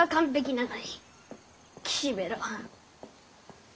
岸辺露伴